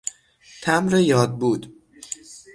تمبر یادبود